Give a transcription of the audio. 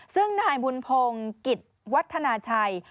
ซึ่งนายบุญพงศ์กิจวัฒนาชัย